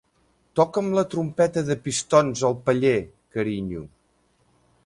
Toca'm la trompeta de pistons al paller, carinyo.